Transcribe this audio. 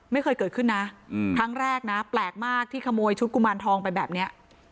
ไม่เคยเกิดขึ้นนะครั้งแรกนะแปลกมากที่ขโมยชุดกุมารทองไปแบบนี้